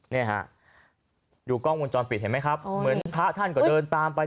เนี่ยฮะดูกล้องวงจรปิดเห็นไหมครับเหมือนพระท่านก็เดินตามไป